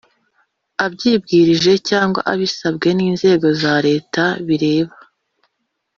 abyibwirije cyangwa abisabwe n’urwego rwa Leta bireba